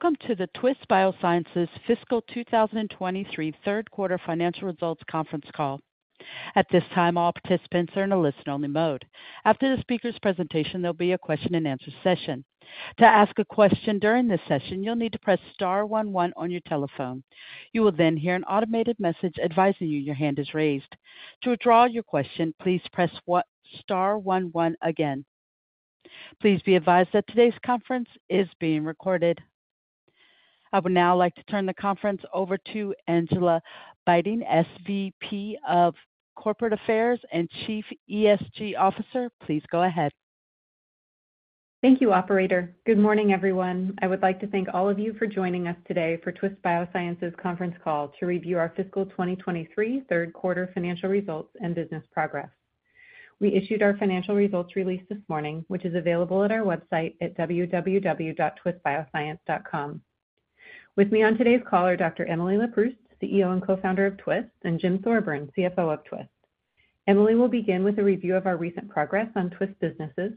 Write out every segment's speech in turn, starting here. Welcome to the Twist Bioscience Fiscal 2023 Third Quarter Financial Results Conference Call. At this time, all participants are in a listen-only mode. After the speaker's presentation, there'll be a question and answer session. To ask a question during this session, you'll need to press star one, one on your telephone. You will then hear an automated message advising you your hand is raised. To withdraw your question, please press one star one, one again. Please be advised that today's conference is being recorded. I would now like to turn the conference over to Angela Bitting, SVP of Corporate Affairs and Chief ESG Officer. Please go ahead. Thank you, operator. Good morning, everyone. I would like to thank all of you for joining us today for Twist Bioscience's conference call to review our fiscal 2023 third quarter financial results and business progress. We issued our financial results release this morning, which is available at our website at www.twistbioscience.com. With me on today's call are Dr. Emily Leproust, CEO and co-founder of Twist, and Jim Thorburn, CFO of Twist. Emily will begin with a review of our recent progress on Twist businesses.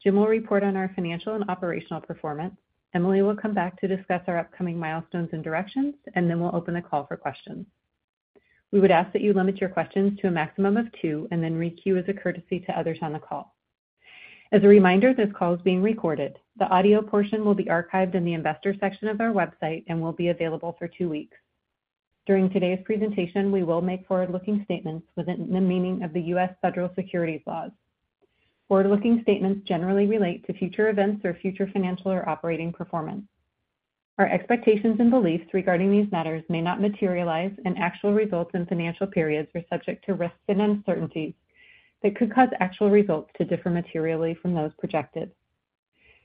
Jim will report on our financial and operational performance. Emily will come back to discuss our upcoming milestones and directions, and then we'll open the call for questions. We would ask that you limit your questions to a maximum of two and then re-queue as a courtesy to others on the call. As a reminder, this call is being recorded. The audio portion will be archived in the investor section of our website and will be available for 2 weeks. During today's presentation, we will make forward-looking statements within the meaning of the U.S. federal securities laws. Forward-looking statements generally relate to future events or future financial or operating performance. Our expectations and beliefs regarding these matters may not materialize, and actual results and financial periods are subject to risks and uncertainties that could cause actual results to differ materially from those projected.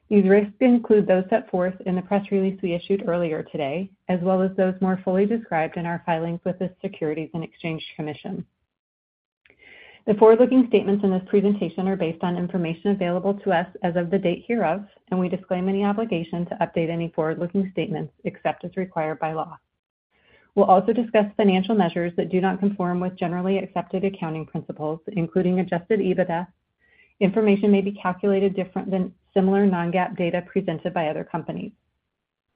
These risks include those set forth in the press release we issued earlier today, as well as those more fully described in our filings with the Securities and Exchange Commission. The forward-looking statements in this presentation are based on information available to us as of the date hereof, and we disclaim any obligation to update any forward-looking statements, except as required by law. We'll also discuss financial measures that do not conform with GAAP, including adjusted EBITDA. Information may be calculated different than similar non-GAAP data presented by other companies.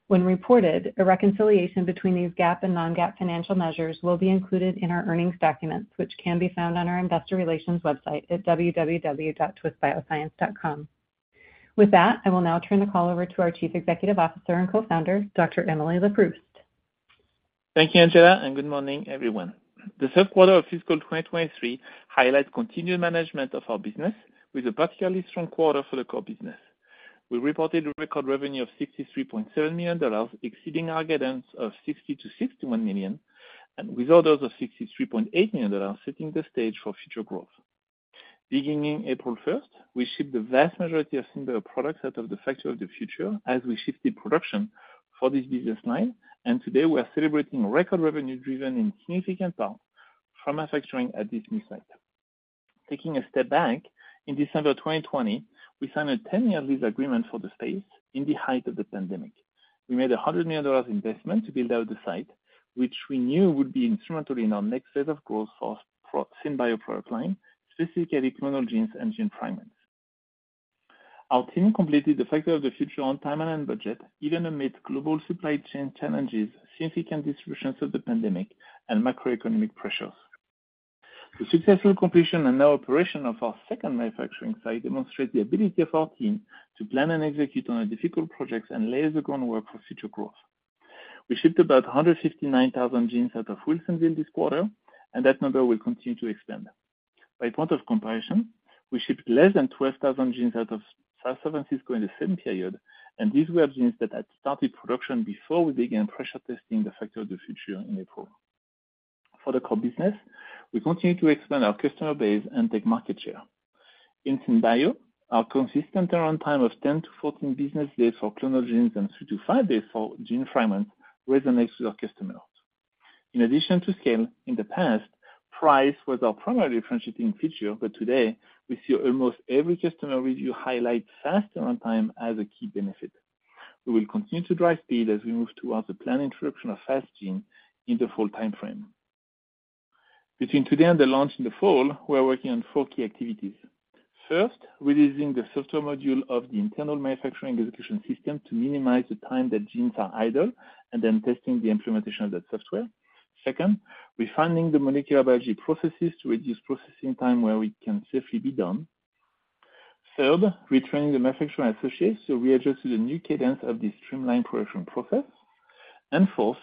When reported, a reconciliation between these GAAP and non-GAAP financial measures will be included in our earnings documents, which can be found on our investor relations website at www.twistbioscience.com. With that, I will now turn the call over to our Chief Executive Officer and Co-founder, Dr. Emily Leproust. Thank you, Angela, and good morning, everyone. The third quarter of fiscal 2023 highlights continued management of our business with a particularly strong quarter for the core business. We reported record revenue of $63.7 million, exceeding our guidance of $60 million-$61 million, and with orders of $63.8 million, setting the stage for future growth. Beginning April 1, we shipped the vast majority of SynBio products out of the Factory of the Future as we shifted production for this business line, and today we are celebrating record revenue driven in significant part from our manufacturing at this new site. Taking a step back, in December 2020, we signed a 10-year lease agreement for the space in the height of the pandemic. We made a $100 million investment to build out the site, which we knew would be instrumental in our next set of goals for SynBio product line, specifically Clonal Genes and Gene Fragments. Our team completed the Factory of the Future on time and on budget, even amid global supply chain challenges, significant disruptions of the pandemic, and macroeconomic pressures. The successful completion and now operation of our second manufacturing site demonstrates the ability of our team to plan and execute on difficult projects and lay the groundwork for future growth. We shipped about 159,000 genes out of Wilsonville this quarter. That number will continue to expand. By point of comparison, we shipped less than 12,000 genes out of San Francisco in the same period. These were genes that had started production before we began pressure testing the Factory of the Future in April. For the core business, we continue to expand our customer base and take market share. In SynBio, our consistent turnaround time of 10-14 business days for Clonal Genes and three to five days for Gene Fragments resonates with our customers. In addition to scale, in the past, price was our primary differentiating feature, but today we see almost every customer review highlight fast turnaround time as a key benefit. We will continue to drive speed as we move towards the planned introduction of Fast Genes in the fall timeframe. Between today and the launch in the fall, we are working on four key activities. First, releasing the software module of the internal Manufacturing Execution System to minimize the time that genes are idle and then testing the implementation of that software. Second, refining the molecular biology processes to reduce processing time where it can safely be done. Third, retraining the manufacturing associates to readjust to the new cadence of this streamlined production process. Fourth,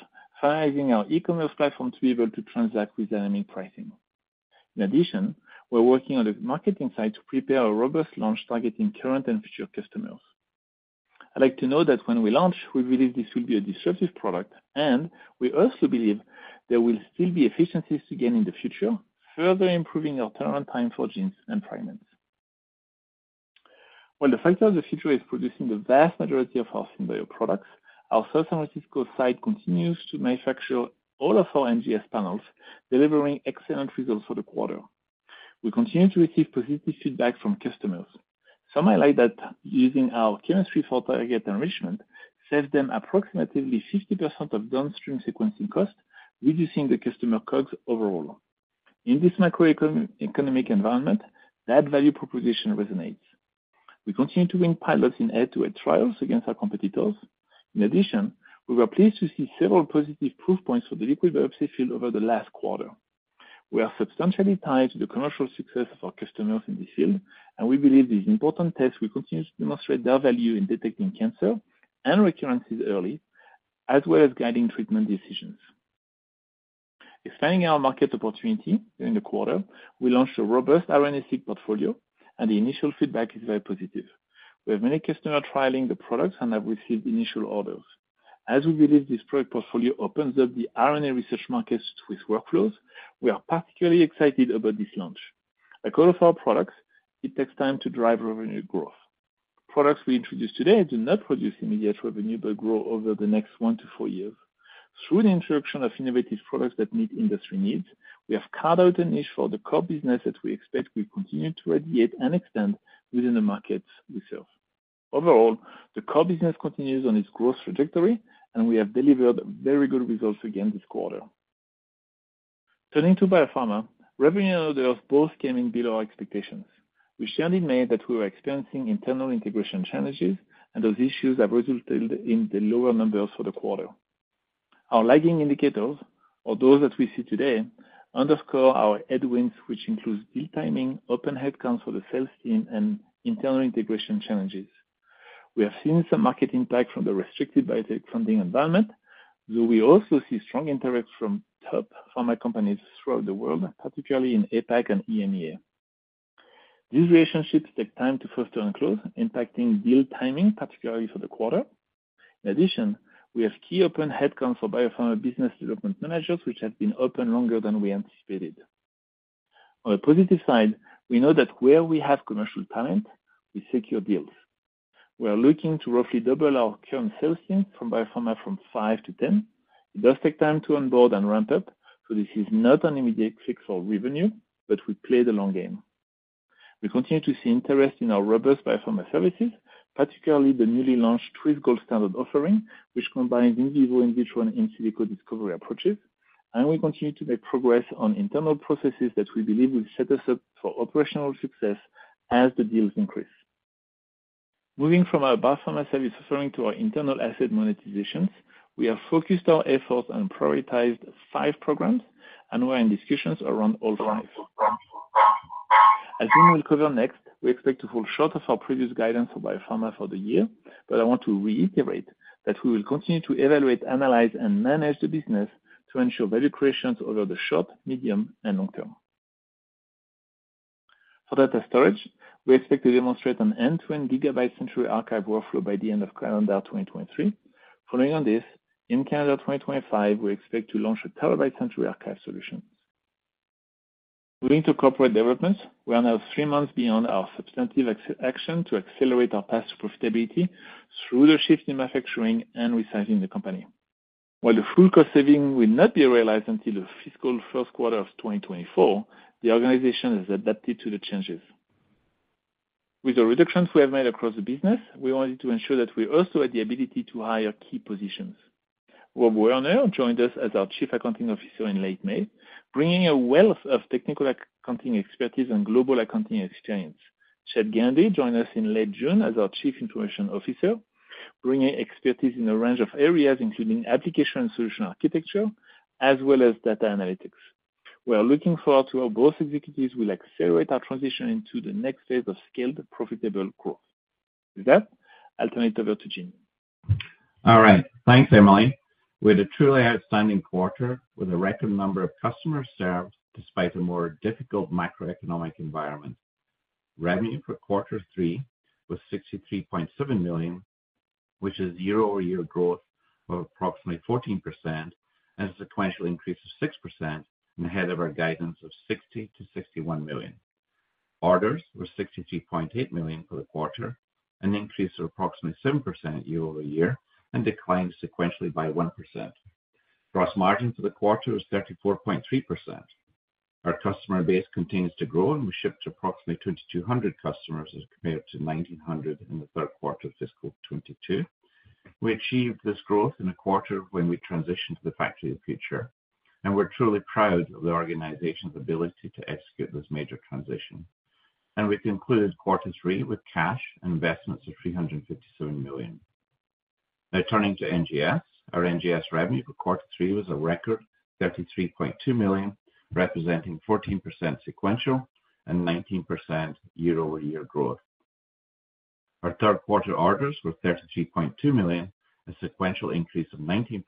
finalizing our e-commerce platform to be able to transact with dynamic pricing. In addition, we're working on the marketing side to prepare a robust launch targeting current and future customers. I'd like to note that when we launch, we believe this will be a disruptive product, and we also believe there will still be efficiencies to gain in the future, further improving our turnaround time for genes and fragments. While the Factory of the Future is producing the vast majority of our SynBio products, our San Francisco site continues to manufacture all of our NGS panels, delivering excellent results for the quarter. We continue to receive positive feedback from customers. Some highlight that using our chemistry for target enrichment saves them approximately 60% of downstream sequencing costs, reducing the customer COGS overall. In this macroeconomic environment, that value proposition resonates. We continue to win pilots in head-to-head trials against our competitors. In addition, we were pleased to see several positive proof points for the liquid biopsy field over the last quarter. We are substantially tied to the commercial success of our customers in this field, and we believe these important tests will continue to demonstrate their value in detecting cancer and recurrences early, as well as guiding treatment decisions. Expanding our market opportunity during the quarter, we launched a robust RNA-Seq portfolio, and the initial feedback is very positive. We have many customers trialing the products and have received initial orders. As we believe this product portfolio opens up the RNA research markets with workflows, we are particularly excited about this launch. Like all of our products, it takes time to drive revenue growth. Products we introduce today do not produce immediate revenue, but grow over the next one to four years. Through the introduction of innovative products that meet industry needs, we have carved out a niche for the core business that we expect will continue to radiate and extend within the markets we serve. Overall, the core business continues on its growth trajectory, and we have delivered very good results again this quarter. Turning to biopharma, revenue and orders both came in below our expectations. We shared in May that we were experiencing internal integration challenges, and those issues have resulted in the lower numbers for the quarter. Our lagging indicators, or those that we see today, underscore our headwinds, which includes deal timing, open headcounts for the sales team, and internal integration challenges. We have seen some market impact from the restricted biotech funding environment, though we also see strong interest from top pharma companies throughout the world, particularly in APAC and EMEA. These relationships take time to foster and close, impacting deal timing, particularly for the quarter. In addition, we have key open headcounts for biopharma business development managers, which have been open longer than we anticipated. On a positive side, we know that where we have commercial talent, we secure deals. We are looking to roughly double our current sales team from biopharma from five to 10. It does take time to onboard and ramp up, so this is not an immediate fix for revenue, but we play the long game. We continue to see interest in our robust biopharma services, particularly the newly launched Twist Gold Standard offering, which combines in vivo and vitro and in silico discovery approaches. We continue to make progress on internal processes that we believe will set us up for operational success as the deals increase. Moving from our biopharma service offering to our internal asset monetizations, we have focused our efforts and prioritized five programs, and we are in discussions around all five. As Jim will cover next, we expect to fall short of our previous guidance for biopharma for the year, but I want to reiterate that we will continue to evaluate, analyze, and manage the business to ensure value creations over the short, medium, and long term. For data storage, we expect to demonstrate an end-to-end gigabyte century archive workflow by the end of calendar 2023. Following on this, in calendar 2025, we expect to launch a terabyte century archive solution. Moving to corporate developments, we are now three months beyond our substantive action to accelerate our path to profitability through the shift in manufacturing and resizing the company. While the full cost saving will not be realized until the fiscal first quarter of 2024, the organization has adapted to the changes. With the reductions we have made across the business, we wanted to ensure that we also had the ability to hire key positions. Rob Warners joined us as our Chief Accounting Officer in late May, bringing a wealth of technical accounting expertise and global accounting experience. Chad Gandy joined us in late June as our Chief Information Officer, bringing expertise in a range of areas, including application and solution architecture, as well as data analytics. We are looking forward to how both executives will accelerate our transition into the next phase of scaled, profitable growth. With that, I'll turn it over to Jim. All right, thanks, Emily. We had a truly outstanding quarter with a record number of customers served despite a more difficult macroeconomic environment. Revenue for quarter three was $63.7 million, which is year-over-year growth of approximately 14% and a sequential increase of 6% and ahead of our guidance of $60 million-$61 million. Orders were $63.8 million for the quarter, an increase of approximately 7% year-over-year, and declined sequentially by 1%. Gross margin for the quarter was 34.3%. Our customer base continues to grow, and we shipped to approximately 2,200 customers as compared to 1,900 in the third quarter of fiscal 2022. We achieved this growth in a quarter when we transitioned to the Factory of the Future, and we're truly proud of the organization's ability to execute this major transition. We concluded quarters three with cash and investments of $357 million. Now turning to NGS. Our NGS revenue for quarter three was a record $33.2 million, representing 14% sequential and 19% year-over-year growth. Our third quarter orders were $33.2 million, a sequential increase of 19%.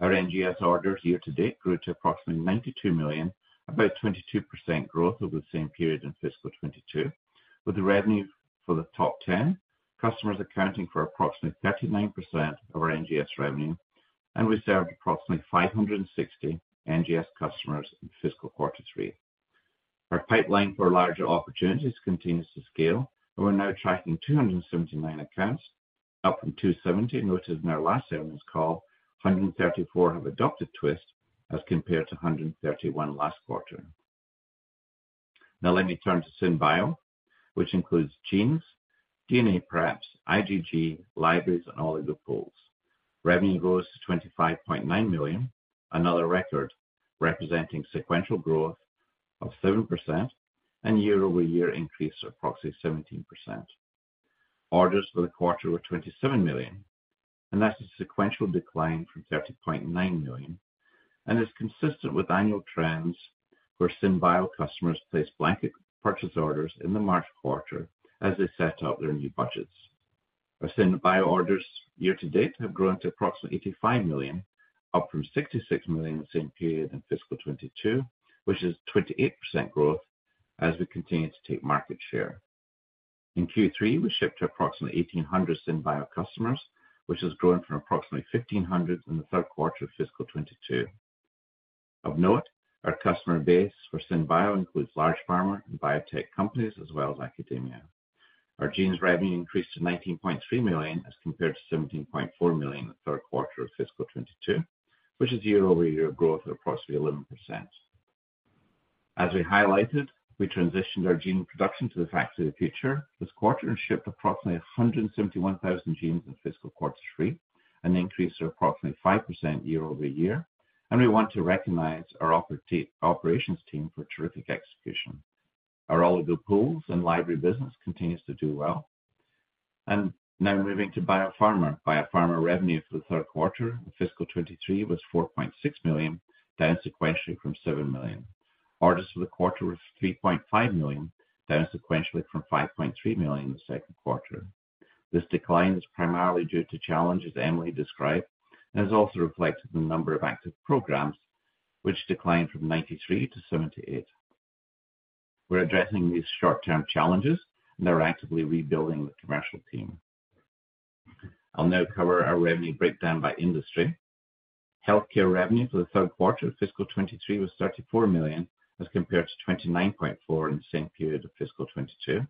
Our NGS orders year-to-date grew to approximately $92 million, about 22% growth over the same period in fiscal 2022, with the revenue for the top 10 customers accounting for approximately 39% of our NGS revenue, and we served approximately 560 NGS customers in fiscal quarter three. Our pipeline for larger opportunities continues to scale, and we're now tracking 279 accounts, up from 270, and which is in our last earnings call, 134 have adopted Twist, as compared to 131 last quarter. Now let me turn to SynBio, which includes genes, DNA preps, IgG, libraries, and Oligo Pools. Revenue goes to $25.9 million, another record, representing sequential growth of 7% and year-over-year increase of approximately 17%. Orders for the quarter were $27 million, and that's a sequential decline from $30.9 million, and is consistent with annual trends where SynBio customers place blanket purchase orders in the March quarter as they set out their new budgets. Our SynBio orders year-to-date have grown to approximately $85 million, up from $66 million in the same period in fiscal 2022, which is 28% growth as we continue to take market share. In Q3, we shipped to approximately 1,800 SynBio customers, which has grown from approximately 1,500 in the third quarter of fiscal 2022. Of note, our customer base for SynBio includes large pharma and biotech companies, as well as academia. Our genes revenue increased to $19.3 million, as compared to $17.4 million in the third quarter of fiscal 2022, which is year-over-year growth of approximately 11%. As we highlighted, we transitioned our gene production to the Factory of the Future this quarter, shipped approximately 171,000 genes in fiscal quarter three, an increase of approximately 5% year-over-year, and we want to recognize our operations team for terrific execution. Our oligo pools and library business continues to do well. Now moving to Biopharma. Biopharma revenue for the third quarter of fiscal 2023 was $4.6 million, down sequentially from $7 million. Orders for the quarter were $3.5 million, down sequentially from $5.3 million in the second quarter. This decline is primarily due to challenges Emily described, is also reflected in the number of active programs, which declined from 93 to 78. We're addressing these short-term challenges, are actively rebuilding the commercial team. I'll now cover our revenue breakdown by industry. Healthcare revenue for the third quarter of fiscal 2023 was $34 million, as compared to $29.4 million in the same period of fiscal 2022.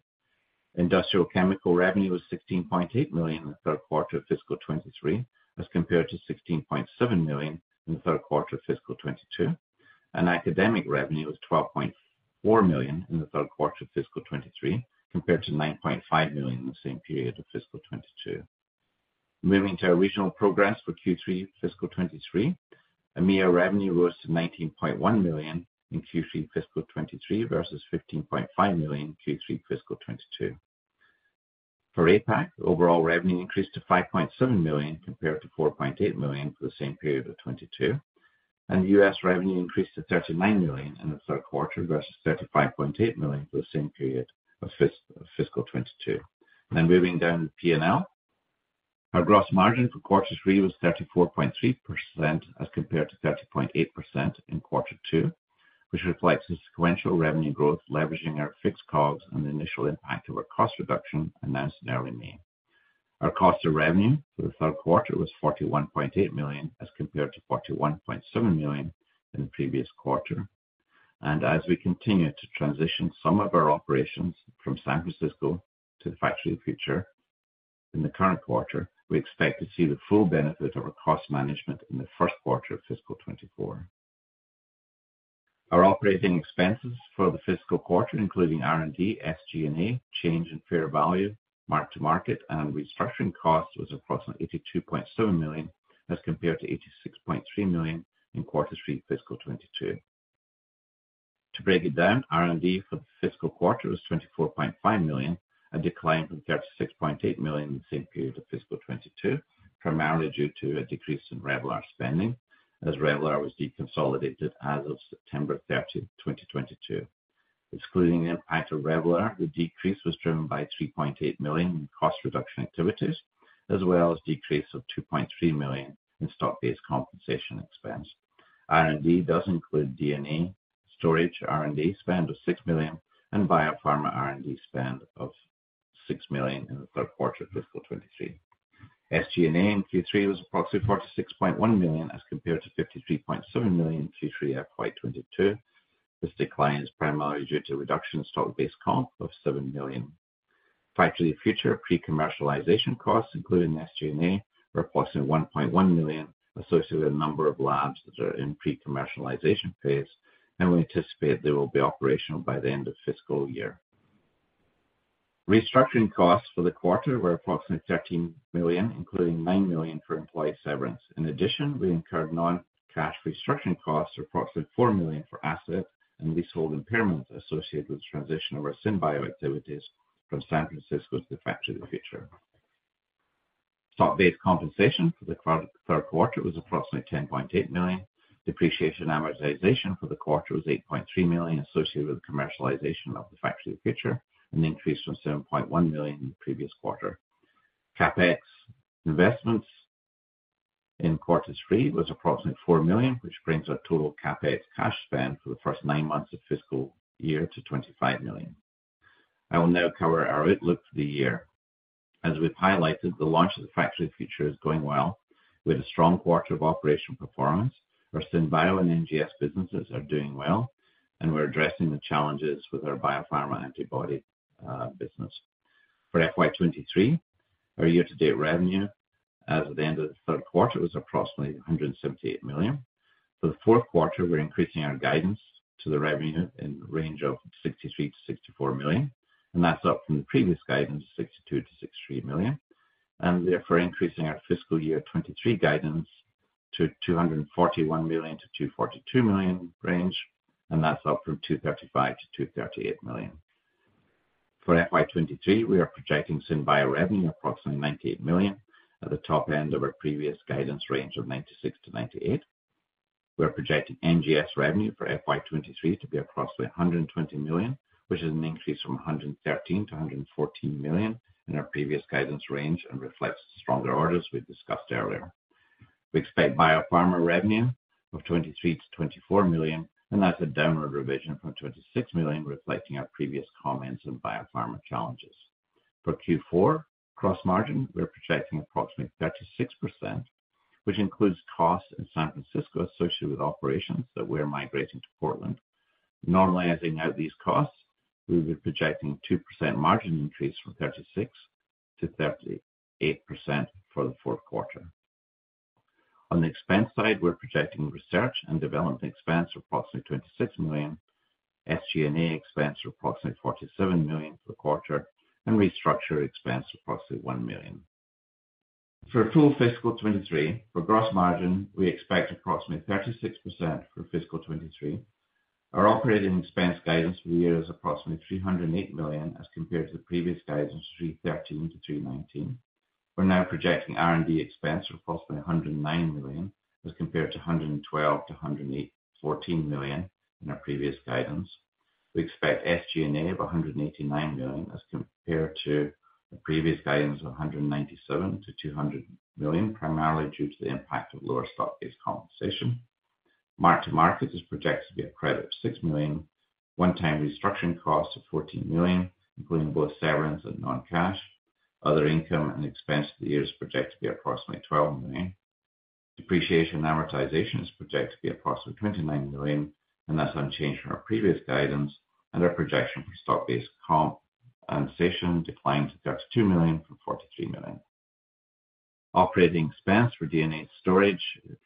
Industrial chemical revenue was $16.8 million in the third quarter of fiscal 2023, as compared to $16.7 million in the third quarter of fiscal 2022. Academic revenue was $12.4 million in the third quarter of fiscal 2023, compared to $9.5 million in the same period of fiscal 2022. Moving to our regional progress for Q3 fiscal 2023. EMEA revenue rose to $19.1 million in Q3 fiscal 2023 versus $15.5 million in Q3 fiscal 2022. For APAC, overall revenue increased to $5.7 million, compared to $4.8 million for the same period of 2022, and U.S. revenue increased to $39 million in the third quarter versus $35.8 million for the same period of fiscal 2022. Moving down to P&L. Our gross margin for quarter three was 34.3%, as compared to 30.8% in quarter two, which reflects the sequential revenue growth, leveraging our fixed COGS and the initial impact of our cost reduction announced in early May. Our cost of revenue for the third quarter was $41.8 million, as compared to $41.7 million in the previous quarter. As we continue to transition some of our operations from San Francisco to the Factory of the Future in the current quarter, we expect to see the full benefit of our cost management in the first quarter of fiscal 2024. Our operating expenses for the fiscal quarter, including R&D, SG&A, change in fair value, mark-to-market, and restructuring costs, was approximately $82.7 million, as compared to $86.3 million in quarter three, fiscal 2022. To break it down, R&D for the fiscal quarter was $24.5 million, a decline from $36.8 million in the same period of fiscal 2022, primarily due to a decrease in Revelar spending, as Revelar was deconsolidated as of September 30th, 2022. Excluding the impact of Revelar, the decrease was driven by $3.8 million in cost reduction activities, as well as decrease of $2.3 million in stock-based compensation expense. R&D does include DNA storage. R&D spend was $6 million, and biopharma R&D spend of $6 million in the third quarter of fiscal 2023. SG&A in Q3 was approximately $46.1 million, as compared to $53.7 million in Q3 of FY 2022. This decline is primarily due to a reduction in stock-based comp of $7 million. Factory of the Future pre-commercialization costs, including SG&A, were approximately $1.1 million, associated with a number of labs that are in pre-commercialization phase, and we anticipate they will be operational by the end of fiscal year. Restructuring costs for the quarter were approximately $13 million, including $9 million for employee severance. In addition, we incurred non-cash restructuring costs of approximately $4 million for asset and leasehold impairment associated with the transition of our SynBio activities from San Francisco to the Factory of the Future. Stock-based compensation for the third quarter was approximately $10.8 million. Depreciation and amortization for the quarter was $8.3 million, associated with the commercialization of the Factory of the Future, an increase from $7.1 million in the previous quarter. CapEx investments in quarter three was approximately $4 million, which brings our total CapEx cash spend for the first nine months of fiscal year to $25 million. I will now cover our outlook for the year. As we've highlighted, the launch of the Factory of the Future is going well, with a strong quarter of operation performance. Our SynBio and NGS businesses are doing well, and we're addressing the challenges with our biopharma antibody business. For FY 2023, our year-to-date revenue as of the end of the third quarter was approximately $178 million. For the fourth quarter, we're increasing our guidance to the revenue in the range of $63 million-$64 million, and that's up from the previous guidance of $62 million-$63 million, and therefore, increasing our fiscal year 2023 guidance to $241 million-$242 million range, and that's up from $235 million-$238 million. For FY 2023, we are projecting SynBio revenue approximately $98 million at the top end of our previous guidance range of $96 million-$98 million. We are projecting NGS revenue for FY 2023 to be approximately $120 million, which is an increase from $113 million-$114 million in our previous guidance range and reflects the stronger orders we discussed earlier. We expect biopharma revenue of $23 million-$24 million, and that's a downward revision from $26 million, reflecting our previous comments on biopharma challenges. For Q4, cross margin, we're projecting approximately 36%, which includes costs in San Francisco associated with operations that we are migrating to Portland. Normalizing out these costs, we were projecting 2% margin increase from 36%-38% for the fourth quarter. On the expense side, we're projecting R&D expense of approximately $26 million, SG&A expense of approximately $47 million for the quarter, and restructure expense of approximately $1 million. For full fiscal 2023, for gross margin, we expect approximately 36% for fiscal 2023. Our operating expense guidance for the year is approximately $308 million, as compared to the previous guidance, $313 million-$319 million. We're now projecting R&D expense of approximately $109 million, as compared to $112 million-$114 million in our previous guidance. We expect SG&A of $189 million, as compared to the previous guidance of $197 million-$200 million, primarily due to the impact of lower stock-based compensation. Mark-to-market is projected to be a credit of $6 million, one-time restructuring costs of $14 million, including both severance and non-cash. Other income and expense for the year is projected to be approximately $12 million. Depreciation and amortization is projected to be approximately $29 million, and that's unchanged from our previous guidance. Our projection for stock-based compensation declined to $32 million from $43 million. Operating expense for DNA storage is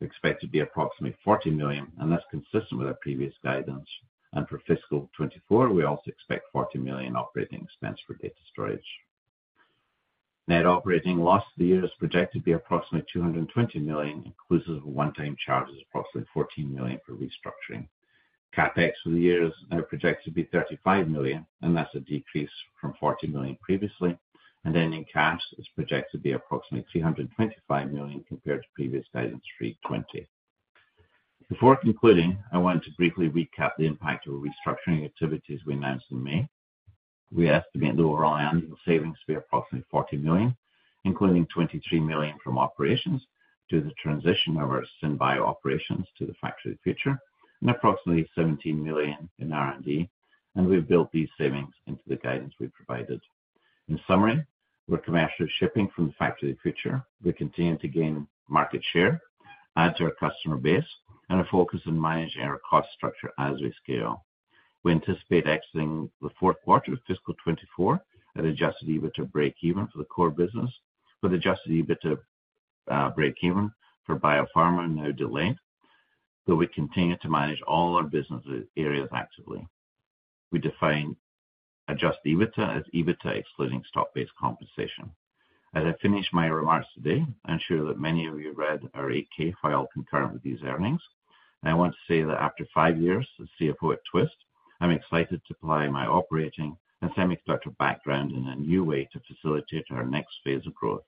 expected to be approximately $40 million, and that's consistent with our previous guidance. For fiscal 2024, we also expect $40 million operating expense for data storage. Net operating loss for the year is projected to be approximately $220 million, inclusive of one-time charges of approximately $14 million for restructuring. CapEx for the year is now projected to be $35 million, and that's a decrease from $40 million previously, and ending cash is projected to be approximately $325 million, compared to previous guidance, $320 million. Before concluding, I want to briefly recap the impact of the restructuring activities we announced in May. We estimate the overall annual savings to be approximately $40 million, including $23 million from operations to the transition of our SynBio operations to the Factory of the Future, and approximately $17 million in R&D. We've built these savings into the guidance we've provided. In summary, we're commercially shipping from the Factory of the Future. We're continuing to gain market share, add to our customer base, and are focused on managing our cost structure as we scale. We anticipate exiting the fourth quarter of fiscal 2024 at adjusted EBITDA break even for the core business, with adjusted EBITDA breakeven for biopharma now delayed. We continue to manage all our business areas actively. We define adjusted EBITDA as EBITDA, excluding stock-based compensation. As I finish my remarks today, I'm sure that many of you read our 8-K file concurrent with these earnings. I want to say that after five years as CFO at Twist, I'm excited to apply my operating and semiconductor background in a new way to facilitate our next phase of growth.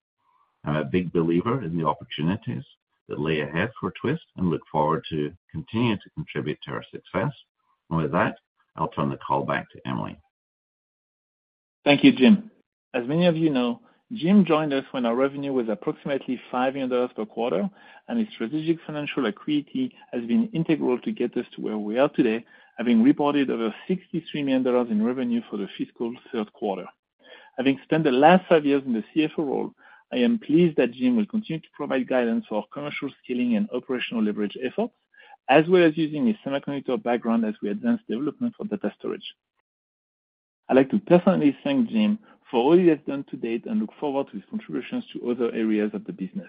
I'm a big believer in the opportunities that lay ahead for Twist and look forward to continuing to contribute to our success. With that, I'll turn the call back to Emily. Thank you, Jim. As many of you know, Jim joined us when our revenue was approximately $5 million per quarter, and his strategic financial acuity has been integral to get us to where we are today, having reported over $63 million in revenue for the fiscal third quarter. Having spent the last five years in the CFO role, I am pleased that Jim will continue to provide guidance for our commercial scaling and operational leverage efforts, as well as using his semiconductor background as we advance development for data storage. I'd like to personally thank Jim for all he has done to date and look forward to his contributions to other areas of the business.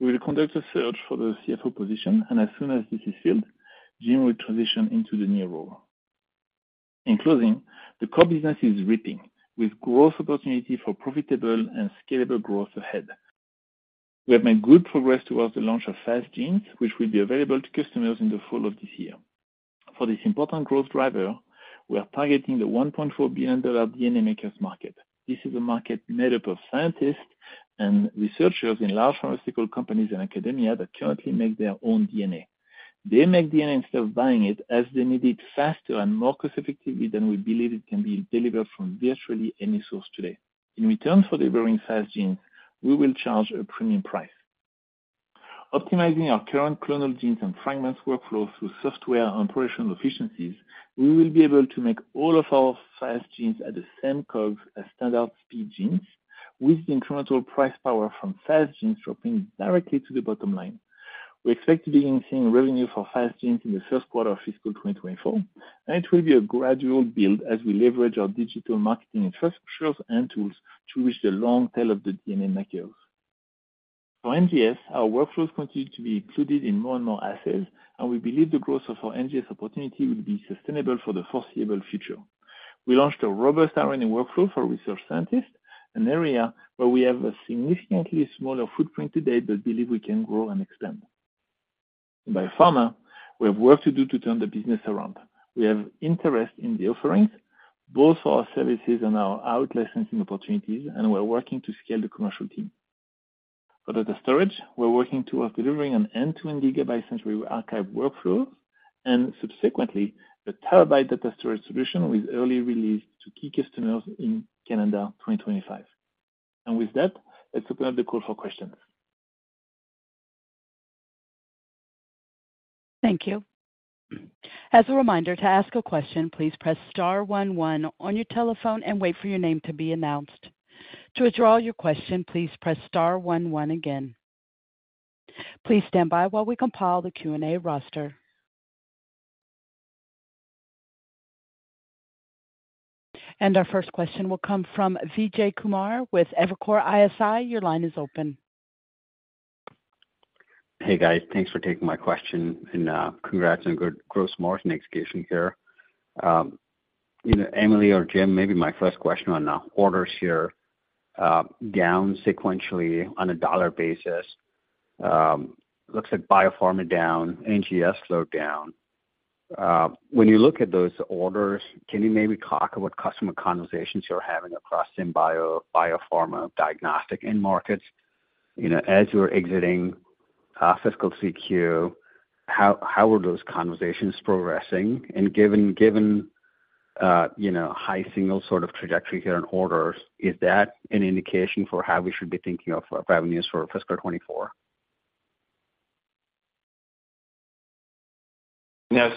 We will conduct a search for the CFO position, and as soon as this is filled, Jim will transition into the new role. In closing, the core business is ripping with growth opportunity for profitable and scalable growth ahead. We have made good progress towards the launch of Fast Genes, which will be available to customers in the fall of this year. For this important growth driver, we are targeting the $1.4 billion DNA makers market. This is a market made up of scientists and researchers in large pharmaceutical companies and academia that currently make their own DNA. They make DNA instead of buying it, as they need it faster and more cost effectively than we believe it can be delivered from virtually any source today. In return for delivering Fast Genes, we will charge a premium price. Optimizing our current Clonal Genes and fragments workflow through software and operational efficiencies, we will be able to make all of our Fast Genes at the same cost as standard speed genes, with the incremental price power from Fast Genes dropping directly to the bottom line. We expect to be seeing revenue for Fast Genes in the first quarter of fiscal 2024, and it will be a gradual build as we leverage our digital marketing infrastructures and tools to reach the long tail of the DNA makers. For NGS, our workflows continue to be included in more and more assays, and we believe the growth of our NGS opportunity will be sustainable for the foreseeable future. We launched a robust RNA workflow for research scientists, an area where we have a significantly smaller footprint today, but believe we can grow and expand. By pharma, we have work to do to turn the business around. We have interest in the offerings, both for our services and our out-licensing opportunities. We're working to scale the commercial team. For data storage, we're working towards delivering an end-to-end gigabyte century archive workflow and subsequently a terabyte data storage solution with early release to key customers in calendar 2025. With that, let's open up the call for questions. Thank you. As a reminder, to ask a question, please press star one one on your telephone and wait for your name to be announced. To withdraw your question, please press star one one again. Please stand by while we compile the Q&A roster. Our first question will come from Vijay Kumar with Evercore ISI. Your line is open. Hey, guys. Thanks for taking my question, and congrats on good gross margin execution here. You know, Emily or Jim, maybe my first question on orders here, down sequentially on a dollar basis, looks like biopharma down, NGS slowed down. When you look at those orders, can you maybe talk of what customer conversations you're having across SynBio, biopharma, diagnostic end markets? You know, as you are exiting fiscal 3Q, how, how are those conversations progressing? Given, given, you know, high single sort of trajectory here in orders, is that an indication for how we should be thinking of revenues for fiscal 2024? Yeah.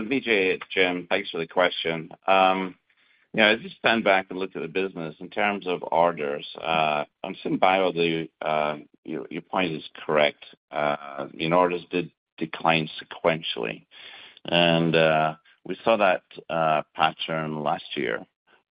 Vijay, it's Jim. Thanks for the question. You know, as you stand back and look at the business in terms of orders, on SynBio, the, your, your point is correct. You know, orders did decline sequentially, we saw that pattern last year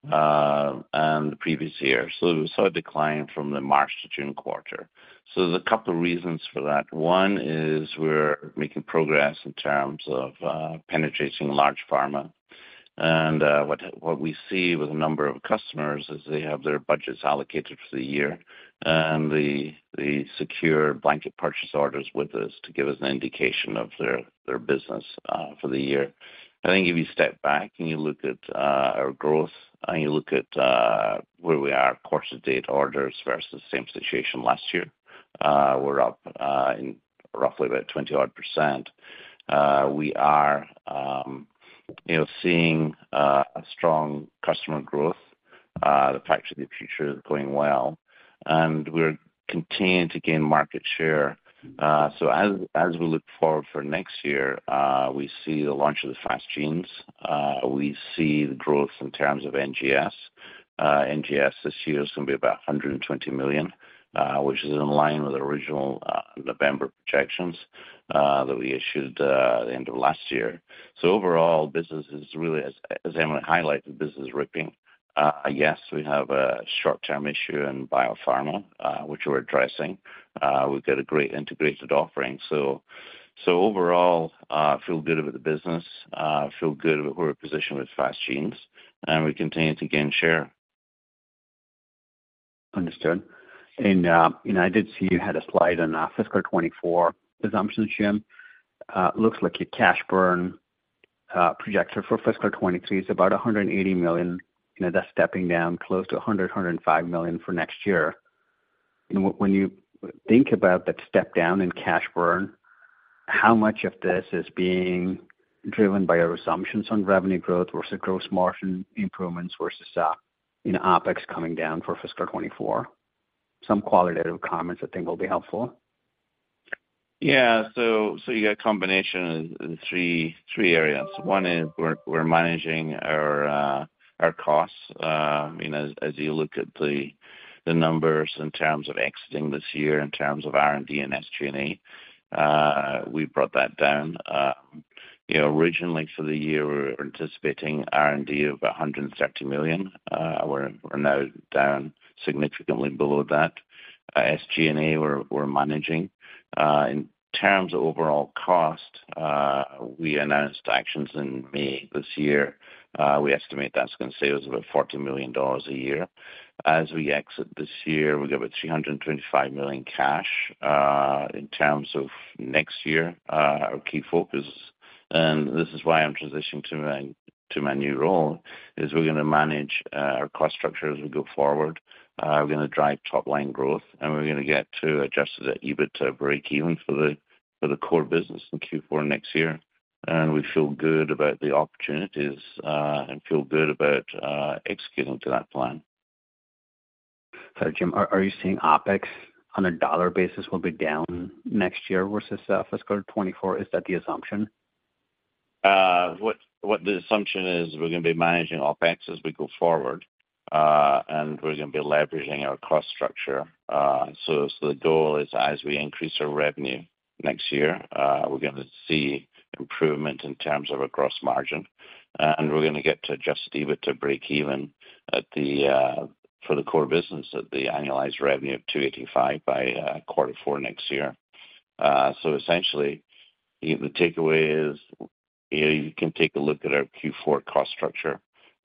and the previous year. We saw a decline from the March to June quarter. There's a couple of reasons for that. One is we're making progress in terms of penetrating large pharma. What, what we see with a number of customers is they have their budgets allocated for the year and they, they secure blanket purchase orders with us to give us an indication of their, their business for the year. I think if you step back and you look at our growth and you look at where we are quarter to date orders versus the same situation last year, we're up in roughly about 20% odd. We are, you know, seeing a strong customer growth. The Factory of the Future is going well, and we're continuing to gain market share. As, as we look forward for next year, we see the launch of the Fast Genes, we see the growth in terms of NGS. NGS, this year, is going to be about $120 million, which is in line with original November projections that we issued at the end of last year. Overall, business is really, as, as Emily highlighted, business is ripping. Yes, we have a short-term issue in biopharma, which we're addressing. We've got a great integrated offering. Overall, feel good about the business, feel good about where we're positioned with Fast Genes, and we continue to gain share. Understood. You know, I did see you had a slide on fiscal 2024 assumptions, Jim. Looks like your cash burn projector for fiscal 2023 is about $180 million. You know, that's stepping down close to $100 million-$105 million for next year. When you think about that step down in cash burn, how much of this is being driven by your assumptions on revenue growth versus gross margin improvements versus, you know, OpEx coming down for fiscal 2024? Some qualitative comments I think will be helpful. Yeah. You got a combination of three, three areas. One is we're, we're managing our, our costs. You know, as, as you look at the, the numbers in terms of exiting this year, in terms of R&D and SG&A, we brought that down. You know, originally for the year, we were anticipating R&D of $130 million. We're, we're now down significantly below that. SG&A, we're, we're managing. In terms of overall cost, we announced actions in May this year. We estimate that's going to save us about $40 million a year. As we exit this year, we've got about $325 million cash. In terms of next year, our key focus, and this is why I'm transitioning to my, to my new role, is we're gonna manage our cost structure as we go forward. We're gonna drive top-line growth, and we're gonna get to adjusted EBITDA break even for the, for the core business in Q4 next year. We feel good about the opportunities, and feel good about executing to that plan. Jim, are, are you seeing OpEx on a dollar basis will be down next year versus fiscal 2024? Is that the assumption? What the assumption is, we're gonna be managing OpEx as we go forward. We're gonna be leveraging our cost structure. The goal is as we increase our revenue next year, we're gonna see improvement in terms of our gross margin, and we're gonna get to adjusted EBITDA to break even at the for the core business at the annualized revenue of $285 by quarter four next year. Essentially, the takeaway is, you know, you can take a look at our Q4 cost structure.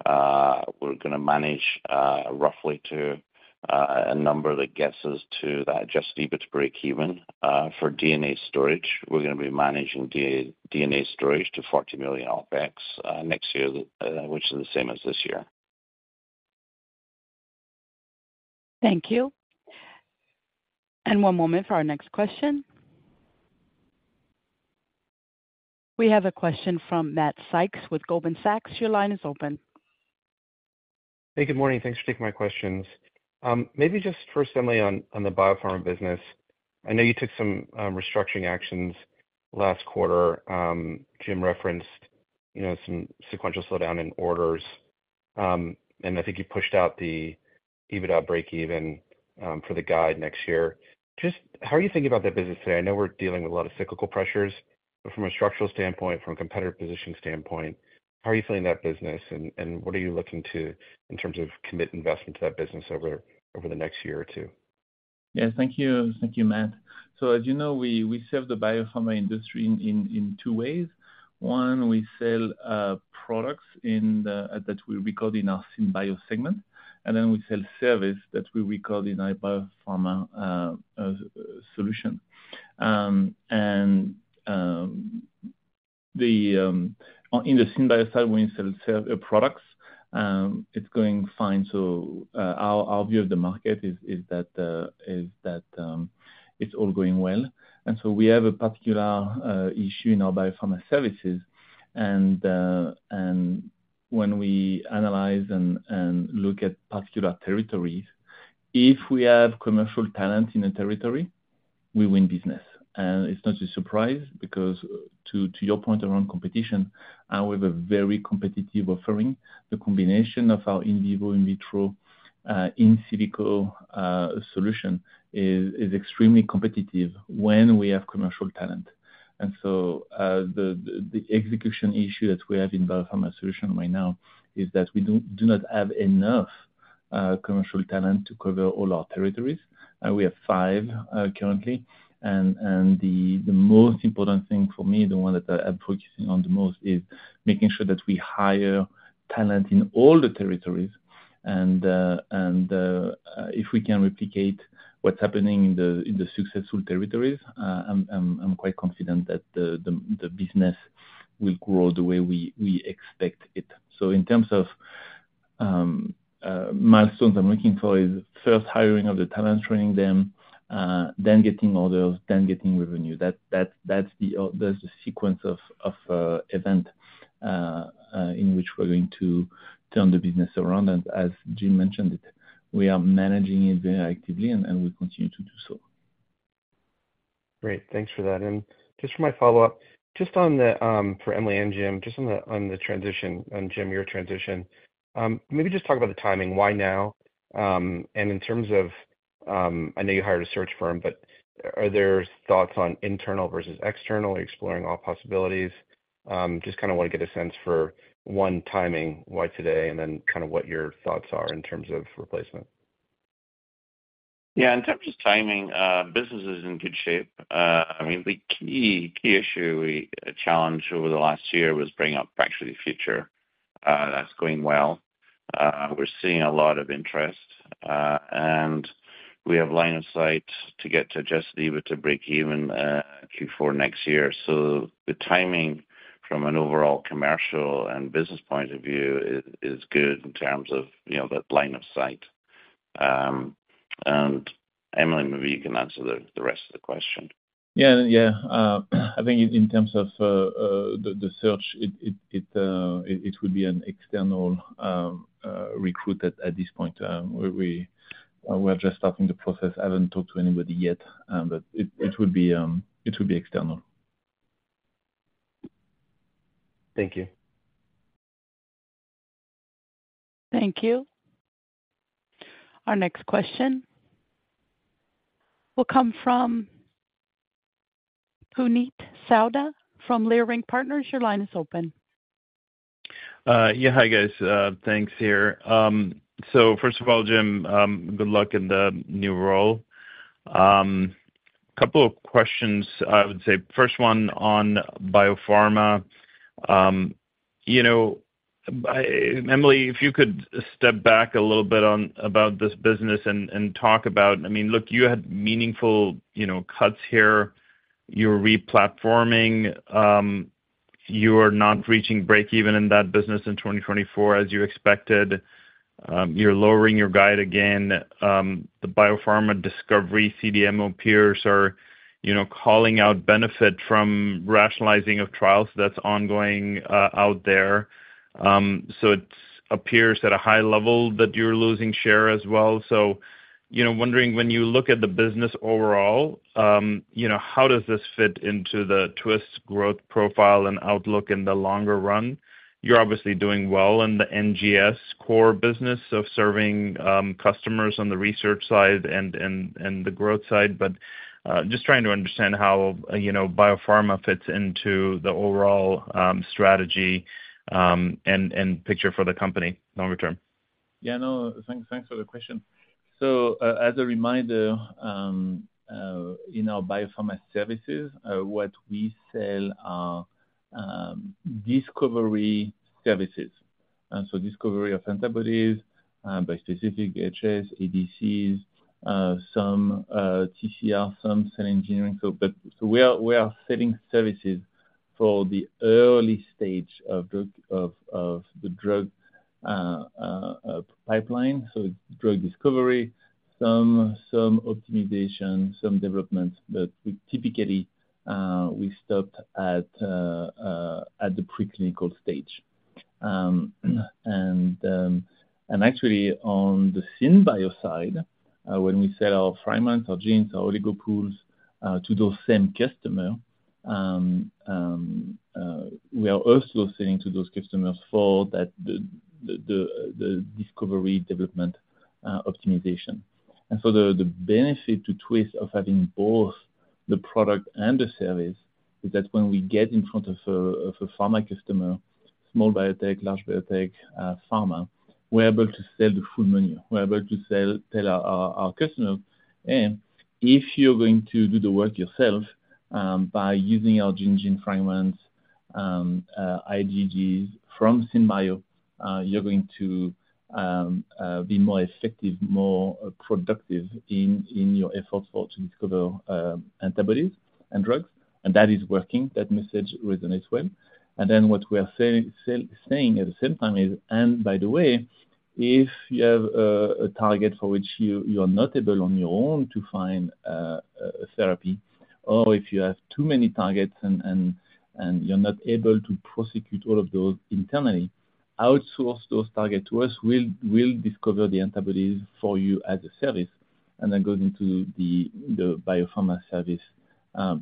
We're gonna manage roughly to a number that gets us to that adjusted EBITDA to break even. For DNA storage, we're gonna be managing DNA storage to $40 million OpEx next year, which is the same as this year. Thank you. One moment for our next question. We have a question from Matt Sykes with Goldman Sachs. Your line is open. Hey, good morning. Thanks for taking my questions. Maybe just first, Emily, on, on the biopharma business. I know you took some, restructuring actions last quarter. Jim referenced, you know, some sequential slowdown in orders. And I think you pushed out the EBITDA break even, for the guide next year. Just how are you thinking about that business today? I know we're dealing with a lot of cyclical pressures, but from a structural standpoint, from a competitor position standpoint, how are you feeling that business, and, and what are you looking to in terms of commit investment to that business over, over the next year or two? Yeah. Thank you. Thank you, Matt. As you know, we, we serve the biopharma industry in, in, in two ways. One, we sell products in the that we record in our SynBio segment, and then we sell service that we record in our biopharma solution. The in the SynBio side, we install products. It's going fine, so our, our view of the market is, is that, is that it's all going well. We have a particular issue in our biopharma services, when we analyze and, and look at particular territories, if we have commercial talent in a territory, we win business. It's not a surprise, because to your point around competition, and we have a very competitive offering, the combination of our in vivo, in vitro, in silico solution is extremely competitive when we have commercial talent. The execution issue that we have in biopharma solution right now is that we do not have enough commercial talent to cover all our territories. We have 5 currently, and the most important thing for me, the one that I'm focusing on the most, is making sure that we hire talent in all the territories. If we can replicate what's happening in the successful territories, I'm quite confident that the business will grow the way we expect it. In terms of milestones, I'm looking for is first hiring of the talent, training them, then getting orders, then getting revenue. That's the sequence of event in which we're going to turn the business around. As Jim mentioned it, we are managing it very actively, and we continue to do so. Great. Thanks for that. Just for my follow-up, just on the, for Emily and Jim, just on the, on the transition, and Jim, your transition, maybe just talk about the timing. Why now? In terms of, I know you hired a search firm, but are there thoughts on internal versus external? Are you exploring all possibilities? Just kinda wanna get a sense for, one, timing, why today? And then kind of what your thoughts are in terms of replacement. Yeah, in terms of timing, business is in good shape. I mean, the key, key issue we challenged over the last year was bringing up actually the future. That's going well. We're seeing a lot of interest, and we have line of sight to get to adjusted EBITDA to break even, Q4 next year. The timing from an overall commercial and business point of view is, is good in terms of, you know, that line of sight. Emily, maybe you can answer the, the rest of the question. Yeah, yeah. I think in terms of the search, it would be an external recruit at this point. We are just starting the process. I haven't talked to anybody yet, but it would be external. Thank you. Thank you. Our next question will come from Puneet Souda from Leerink Partners. Your line is open. Yeah, hi, guys. Thanks here. First of all, Jim, good luck in the new role. Couple of questions, I would say. First one on biopharma. You know, Emily, if you could step back a little bit on, about this business and, and talk about... I mean, look, you had meaningful, you know, cuts here. You're re-platforming. You are not reaching break even in that business in 2024 as you expected. You're lowering your guide again. The biopharma discovery, CDMO peers are, you know, calling out benefit from rationalizing of trials that's ongoing out there. It appears at a high level that you're losing share as well. You know, wondering when you look at the business overall, you know, how does this fit into the Twist growth profile and outlook in the longer run? You're obviously doing well in the NGS core business of serving, customers on the research side and, and, and the growth side. Just trying to understand how, you know, biopharma fits into the overall, strategy, and, and picture for the company longer term. Yeah, no, thanks-thanks for the question. As a reminder, in our biopharma services, what we sell are discovery services. Discovery of antibodies, bispecific HS, ADCs, some TCR, some cell engineering. We are, we are selling services for the early stage of the, of, of the drug pipeline, so drug discovery, some, some optimization, some developments. We typically, we stopped at the preclinical stage. Actually on the SynBio side, when we sell our fragments, our genes, our Oligo Pools, to those same customer, we are also selling to those customers for that the, the, the, the discovery development, optimization. The, the benefit to Twist of having both the product and the service is that when we get in front of a, of a pharma customer, small biotech, large biotech, pharma, we're able to sell the full menu. We're able to sell, tell our, our, our customers, "If you're going to do the work yourself, by using our Gene Fragments, IgG from SynBio, you're going to be more effective, more productive in, in your effort for, to discover antibodies and drugs." That is working. That message resonates well. What we are saying at the same time is, "By the way, if you have a target for which you are not able on your own to find a therapy, or if you have too many targets and you're not able to prosecute all of those internally, outsource those targets to us. We'll discover the antibodies for you as a service," and then go into the biopharma service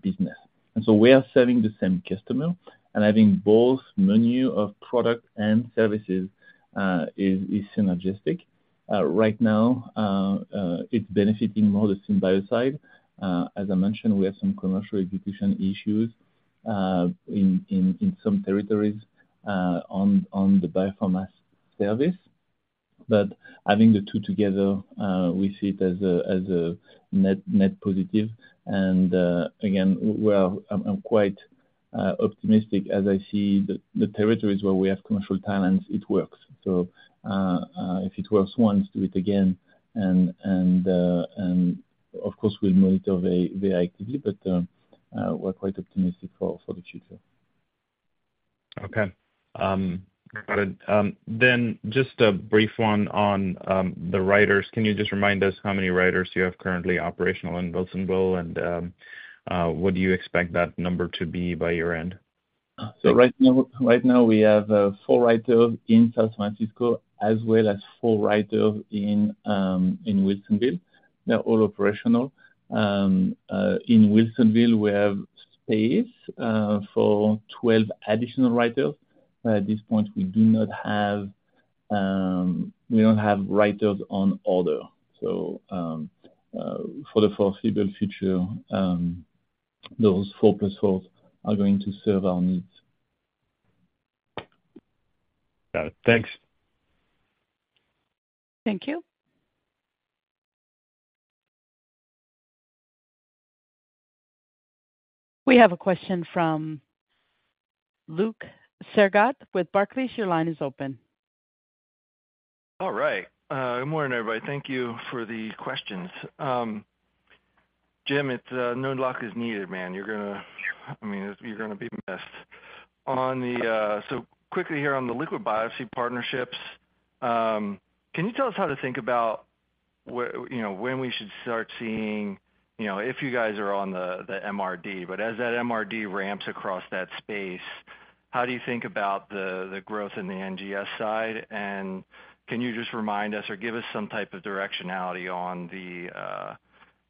business. So we are serving the same customer. I think both menu of product and services is synergistic. Right now, it's benefiting more the SynBio side. As I mentioned, we have some commercial execution issues in some territories on the biopharma service. Having the two together, we see it as a, as a net, net positive. Again, we are... I'm, I'm quite optimistic as I see the, the territories where we have commercial talents, it works. If it works once, do it again. Of course, we'll monitor very, very actively, but, we're quite optimistic for, for the future. Okay. Got it. Just a brief one on the DNA writers. Can you just remind us how many DNA writers you have currently operational in Wilsonville? What do you expect that number to be by year-end? Right now, right now, we have four writers in San Francisco, as well as four writers in Wilsonville. They're all operational. In Wilsonville, we have space for 12 additional writers. At this point, we do not have, we don't have writers on order. For the foreseeable future, those four plus four are going to serve our needs. Got it. Thanks. Thank you. We have a question from Luke Sergott with Barclays. Your line is open. All right. Good morning, everybody. Thank you for the questions. Jim, it's no luck is needed, man. I mean, you're gonna be missed. On the quickly here on the liquid biopsy partnerships, can you tell us how to think about where, you know, when we should start seeing, you know, if you guys are on the MRD? As that MRD ramps across that space, how do you think about the growth in the NGS side? Can you just remind us, or give us some type of directionality on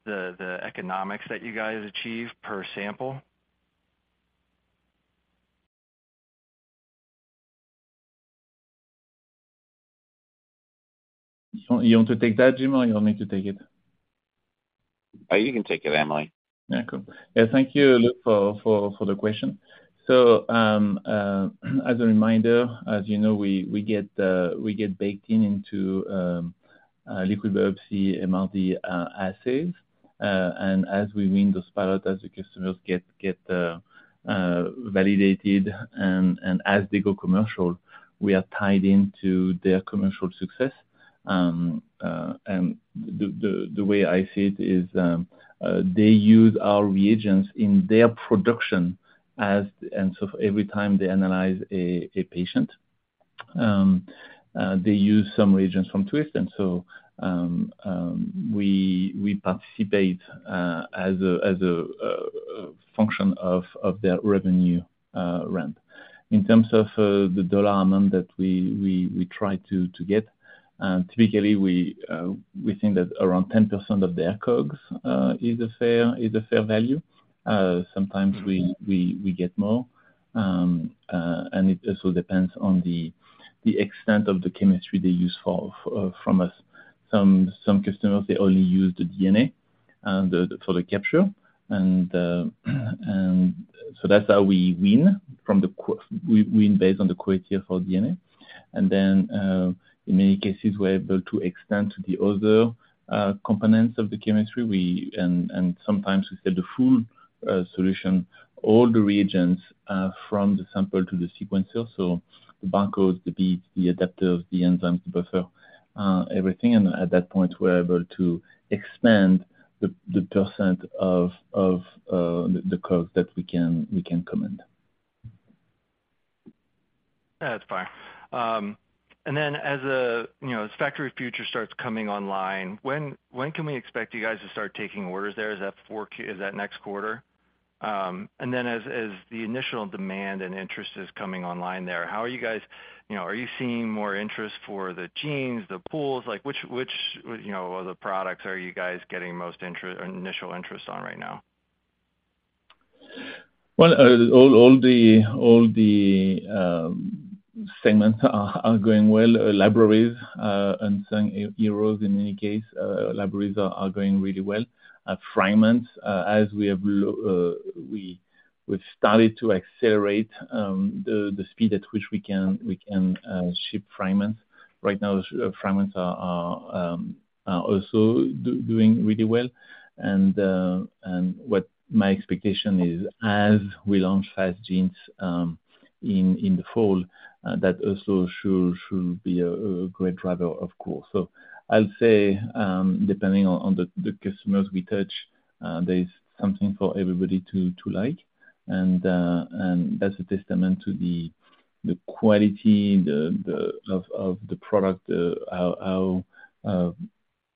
the economics that you guys achieve per sample? You want to take that, Jim, or you want me to take it? You can take it, Emily. Yeah. Cool. Yeah, thank you, Luke, for, for, for the question. As a reminder, as you know, we get baked in into liquid biopsy MRD assays. As we win those pilot, as the customers get validated and as they go commercial, we are tied into their commercial success. The way I see it is, they use our reagents in their production as, and so every time they analyze a patient. They use some reagents from Twist. We participate as a function of their revenue, rent. In terms of the dollar amount that we, we, we try to, to get, typically, we, we think that around 10% of their COGS, is a fair, is a fair value. Sometimes we, we, we get more. It also depends on the extent of the chemistry they use for us. Some, some customers, they only use the DNA, and for the capture. That's how we win based on the quality of our DNA. In many cases, we're able to extend to the other components of the chemistry. And sometimes we sell the full solution, all the reagents, from the sample to the sequencer, so the barcodes, the beads, the adapters, the enzymes, the buffer, everything. At that point, we're able to expand the % of the COGS that we can, we can command. That's fine. Then as, you know, as Factory of the Future starts coming online, when, when can we expect you guys to start taking orders there? Is that next quarter? Then as, as the initial demand and interest is coming online there, how are you guys... You know, are you seeing more interest for the genes, the pools? Like, which, which, you know, other products are you guys getting most initial interest on right now? Well, all the segments are going well. Libraries, and some oligos in many cases, libraries are going really well. At fragments, as we have, we've started to accelerate the speed at which we can ship fragments. Right now, fragments are also doing really well. What my expectation is as we launch Fast Genes in the fall, that also should be a great driver, of course. I'll say, depending on the customers we touch, there's something for everybody to like. That's a testament to the quality, the product, how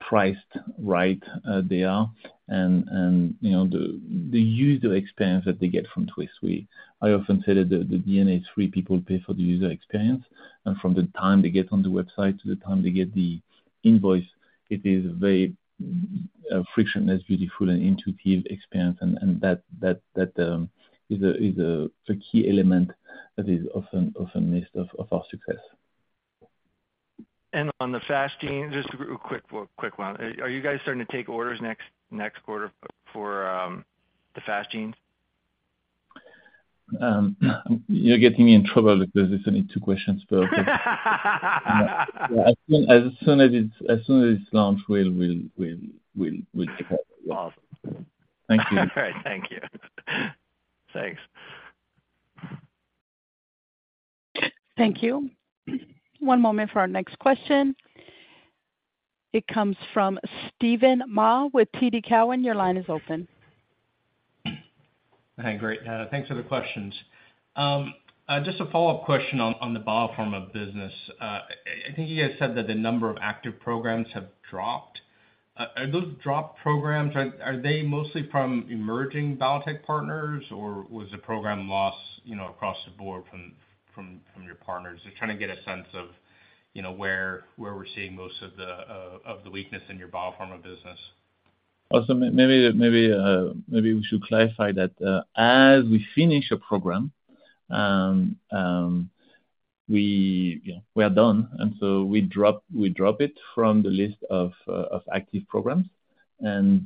priced right, they are, and you know, the user experience that they get from Twist. I often say that the, the DNA is free, people pay for the user experience, and from the time they get on the website to the time they get the invoice, it is very, frictionless, beautiful, and intuitive experience. That is a key element that is often missed of our success. On the Fast Genes, just a quick, quick one. Are you guys starting to take orders next, next quarter for the Fast Genes? You're getting me in trouble because it's only two questions per call. As soon as it's, as soon as it's launched, we'll talk. Thank you. All right. Thank you. Thanks. Thank you. One moment for our next question. It comes from Steven Mah with TD Cowen. Your line is open. Hi. Great, thanks for the questions. Just a follow-up question on the biopharma business. I think you guys said that the number of active programs have dropped. Are those dropped programs, are they mostly from emerging biotech partners, or was the program lost, you know, across the board from your partners? Just trying to get a sense of, you know, where we're seeing most of the weakness in your biopharma business. Awesome. Maybe, maybe, maybe we should clarify that, as we finish a program, we, you know, we are done, and so we drop, we drop it from the list of active programs. Then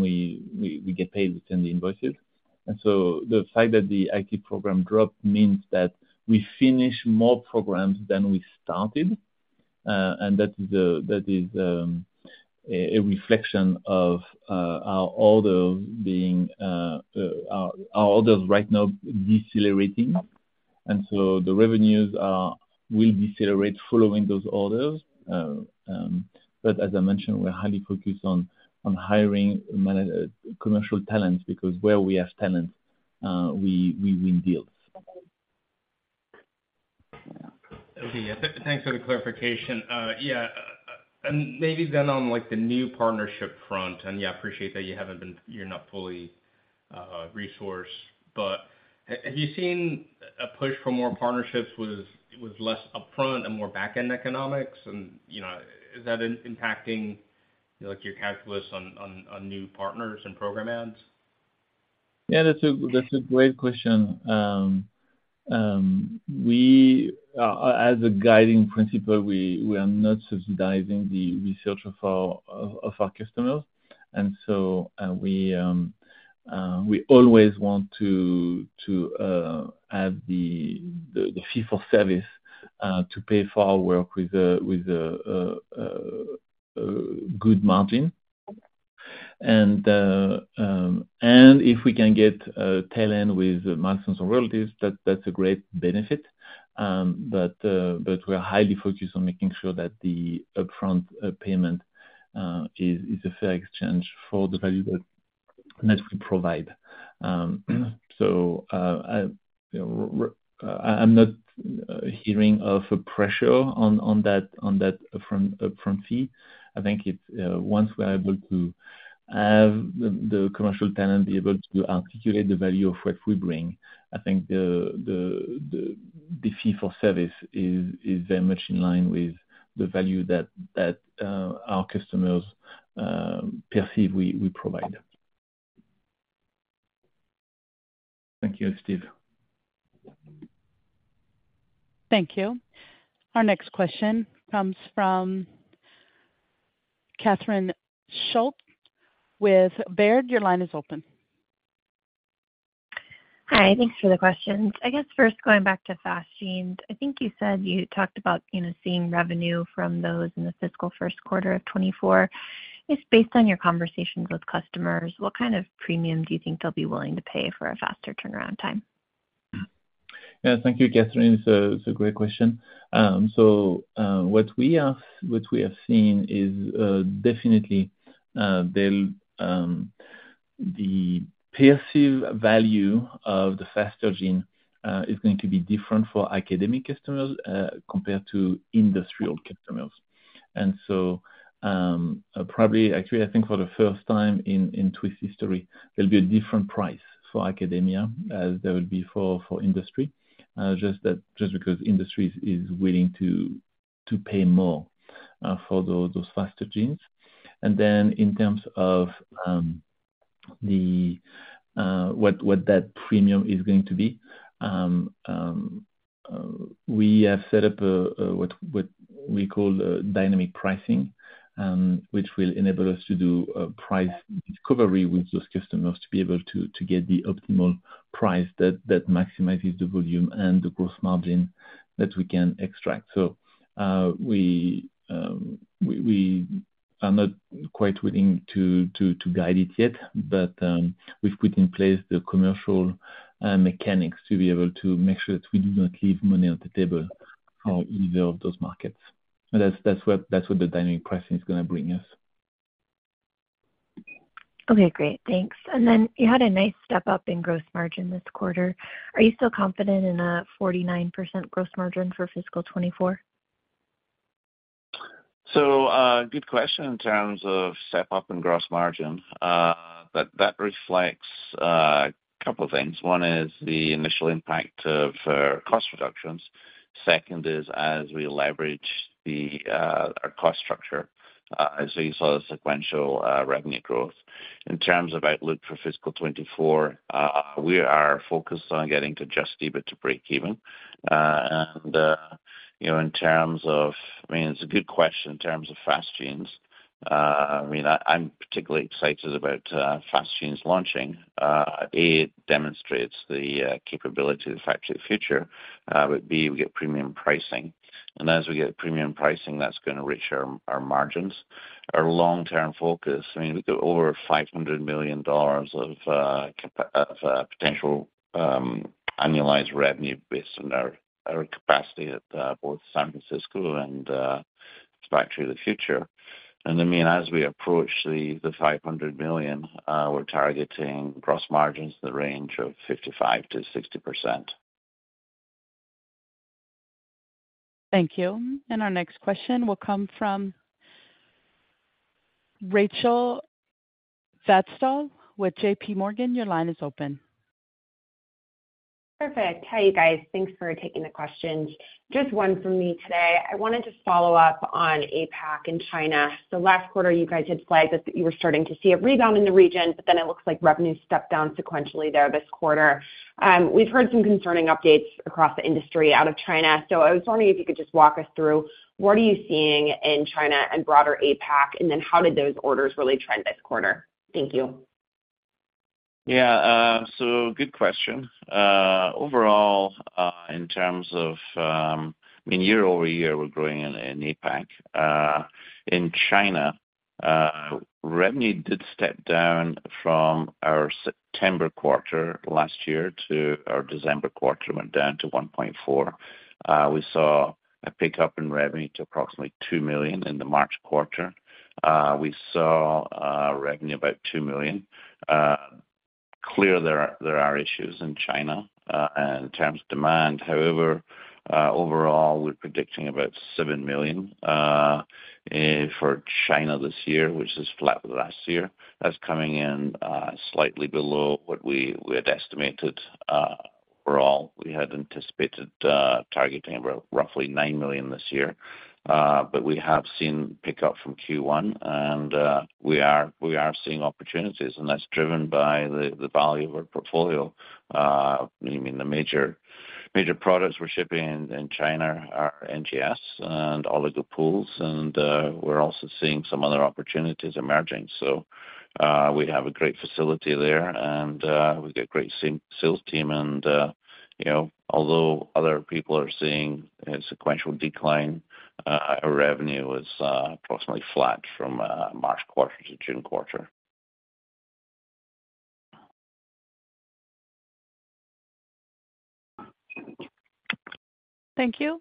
we, we, we get paid, we send the invoices. So the fact that the active program dropped means that we finish more programs than we started, and that is the, that is a reflection of our order being, our orders right now decelerating. So the revenues are, will decelerate following those orders. As I mentioned, we're highly focused on hiring commercial talents, because where we have talent, we, we win deals. Okay. Yeah, thanks for the clarification. Yeah, and maybe then on, like, the new partnership front, and, yeah, I appreciate that you're not fully resourced, but have you seen a push for more partnerships with, with less upfront and more back-end economics? You know, is that impacting, you know, like your calculus on, on, on new partners and program adds? Yeah, that's a, that's a great question. As a guiding principle, we, we are not subsidizing the research of our, of, of our customers. We always want to have the, the, the fee for service to pay for our work with a, with a, a, a, a good margin. If we can get a tail end with milestones or royalties, that, that's a great benefit. We are highly focused on making sure that the upfront payment is, is a fair exchange for the value that-... that we provide. I, I'm not hearing of a pressure on, on that, on that up front, up front fee. I think it's once we're able to have the, the commercial talent be able to articulate the value of what we bring, I think the, the, the, the fee for service is, is very much in line with the value that, that our customers perceive we, we provide. Thank you, Steve. Thank you. Our next question comes from Catherine Schulte with Baird. Your line is open. Hi, thanks for the questions. I guess first, going back to Fast Genes, I think you said you talked about, you know, seeing revenue from those in the fiscal first quarter of 2024. Just based on your conversations with customers, what kind of premium do you think they'll be willing to pay for a faster turnaround time? Yeah. Thank you, Catherine Schulte. It's a, it's a great question. What we have, what we have seen is, definitely, the, the perceived value of the Fast Genes, is going to be different for academic customers, compared to industrial customers. Probably actually, I think for the first time in, in Twist history, there'll be a different price for academia as there will be for, for industry. Just because industries is willing to, to pay more, for those Fast Genes. Then in terms of what that premium is going to be, we have set up a what we call dynamic pricing, which will enable us to do price discovery with those customers to be able to get the optimal price that maximizes the volume and the gross margin that we can extract. We are not quite willing to guide it yet, but we've put in place the commercial mechanics to be able to make sure that we do not leave money on the table for either of those markets. That's what the dynamic pricing is gonna bring us. Okay, great. Thanks. Then you had a nice step up in gross margin this quarter. Are you still confident in a 49% gross margin for fiscal 2024? Good question in terms of step-up in gross margin. That, that reflects a couple of things. One is the initial impact of cost reductions. Second is, as we leverage the our cost structure, as you saw the sequential revenue growth. In terms of outlook for fiscal 2024, we are focused on getting to adjusted EBITDA to break even. You know, I mean, it's a good question in terms of Fast Genes. I mean, I, I'm particularly excited about Fast Genes launching. A, it demonstrates the capability of the Factory of the Future. B, we get premium pricing, and as we get premium pricing, that's gonna reach our, our margins. Our long-term focus, I mean, we've got over $500 million of potential annualized revenue based on our, our capacity at both San Francisco and Factory of the Future. I mean, as we approach the, the $500 million, we're targeting gross margins in the range of 55%-60%. Thank you. Our next question will come from Rachel Vatnsdal with JPMorgan. Your line is open. Perfect. Hi, you guys. Thanks for taking the questions. Just one from me today. I wanted to follow up on APAC and China. Last quarter, you guys had flagged that, that you were starting to see a rebound in the region, but then it looks like revenue stepped down sequentially there this quarter. We've heard some concerning updates across the industry out of China, so I was wondering if you could just walk us through what are you seeing in China and broader APAC, and then how did those orders really trend this quarter? Thank you. Yeah, good question. Overall, in terms of, I mean, year-over-year, we're growing in, in APAC. In China, revenue did step down from our September quarter last year to... our December quarter, went down to $1.4 million. We saw a pickup in revenue to approximately $2 million in the March quarter. We saw revenue about $2 million. Clear there are, there are issues in China, in terms of demand. However, overall, we're predicting about $7 million for China this year, which is flat with last year. That's coming in slightly below what we had estimated. Overall, we had anticipated targeting roughly $9 million this year. We have seen pickup from Q1, and we are, we are seeing opportunities, and that's driven by the, the value of our portfolio. I mean, the major, major products we're shipping in China are NGS and Oligo Pools, and we're also seeing some other opportunities emerging. We have a great facility there, and we've got a great sales team and, you know, although other people are seeing a sequential decline, our revenue is approximately flat from March quarter to June quarter. Thank you.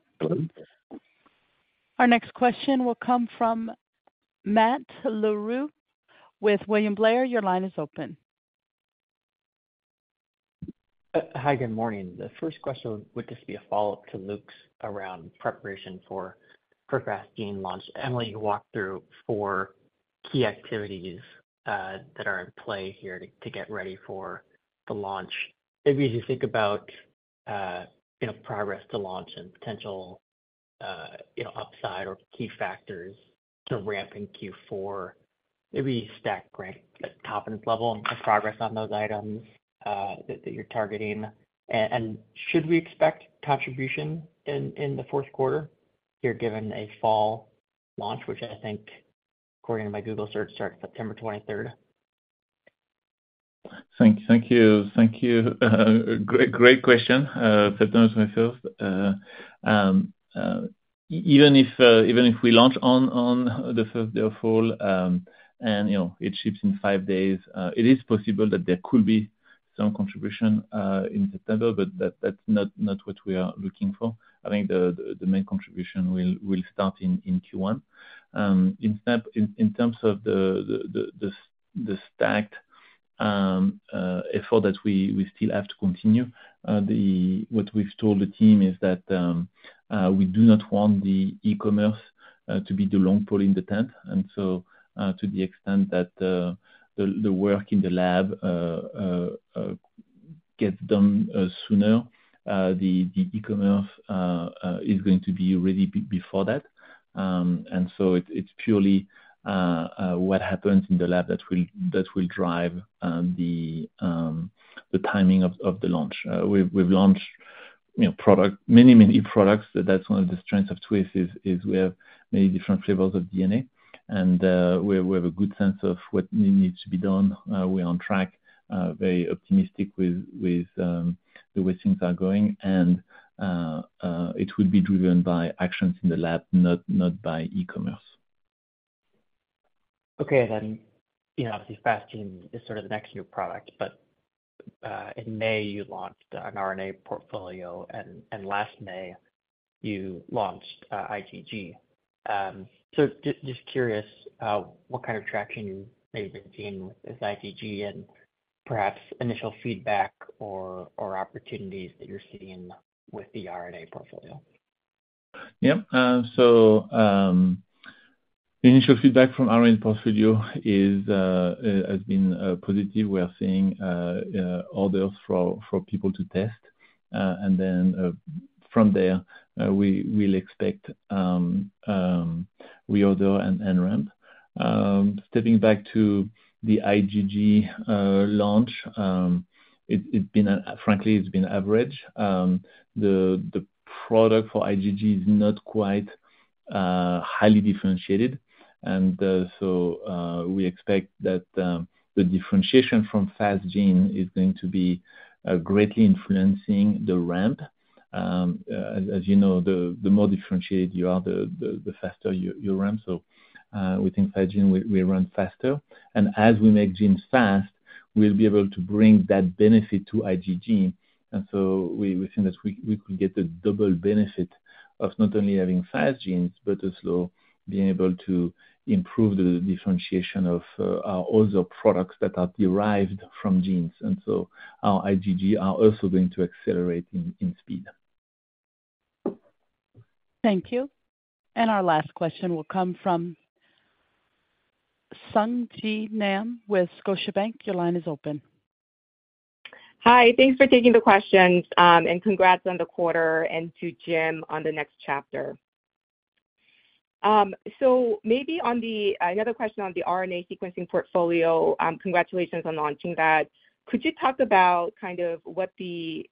Our next question will come from Matt Larew with William Blair. Your line is open. Hi, good morning. The first question would just be a follow-up to Luke's around preparation for Fast Genes launch. Emily, you walked through four key activities that are in play here to, to get ready for the launch. Maybe as you think about, you know, progress to launch and potential, you know, upside or key factors to ramp in Q4, maybe stack rank, like, confidence level of progress on those items that, that you're targeting. And, and should we expect contribution in, in the fourth quarter here, given a fall launch, which I think, according to my Google search, starts September 23rd? Thank, thank you. Thank you. Great, great question. September 23rd. Even if, even if we launch on, on the first day of fall, and, you know, it ships in five days, it is possible that there could be some contribution in September, but that's not, not what we are looking for. I think the, the, the main contribution will, will start in, in Q1. In terms of the, the, the, the, the stacked effort that we, we still have to continue, what we've told the team is that, we do not want the e-commerce to be the long pole in the tent. So, to the extent that the work in the lab gets done sooner, the e-commerce is going to be ready before that. So it's purely what happens in the lab that will drive the timing of the launch. We've launched, you know, product, many, many products. That's one of the strengths of Twist is, is we have many different flavors of DNA, and we have a good sense of what needs to be done. We're on track, very optimistic with the way things are going. It will be driven by actions in the lab, not, not by e-commerce. You know, obviously, Fast Genes is sort of the next new product, but in May, you launched an RNA portfolio, and last May you launched IgG. Just, just curious, what kind of traction you maybe have been seeing with this IgG and perhaps initial feedback or opportunities that you're seeing with the RNA portfolio? Yeah. So, the initial feedback from RNA portfolio is has been positive. We are seeing orders for, for people to test, and then from there, we will expect reorder and ramp. Stepping back to the IgG launch, it's been, frankly, it's been average. The, the product for IgG is not quite highly differentiated. So, we expect that the differentiation from Fast Genes is going to be greatly influencing the ramp. As, as you know, the, the more differentiated you are, the, the, the faster you, you ramp. So, within Fast Genes, we, we ramp faster. As we make genes fast, we'll be able to bring that benefit to IgG. We think that we, we could get the double benefit of not only having Fast Genes, but also being able to improve the differentiation of all the products that are derived from genes. Our IgG are also going to accelerate in, in speed. Thank you. Our last question will come from Sung Ji Nam with Scotiabank. Your line is open. Hi. Thanks for taking the questions, congrats on the quarter and to Jim on the next chapter. Maybe on another question on the RNA sequencing portfolio, congratulations on launching that. Could you talk about kind of what the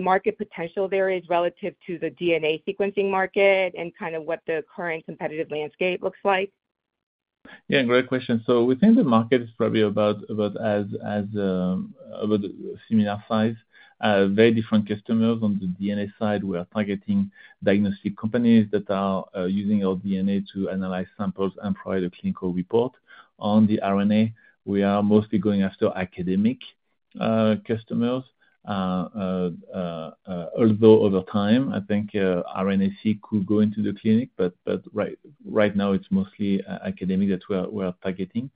market potential there is relative to the DNA sequencing market and kind of what the current competitive landscape looks like? Yeah, great question. Within the market, it's probably about as similar size. Very different customers. On the DNA side, we are targeting diagnostic companies that are using our DNA to analyze samples and provide a clinical report. On the RNA, we are mostly going after academic customers. Although over time, I think RNA-Seq could go into the clinic, but right now it's mostly academic that we are targeting.